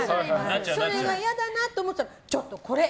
それが嫌だなと思ってたらこれ！